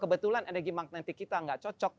kebetulan energi magnetik kita nggak cocok